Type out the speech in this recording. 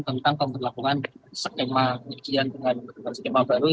tentang pemberlakuan skema pengujian dengan skema baru